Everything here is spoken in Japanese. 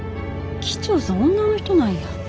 機長さん女の人なんや。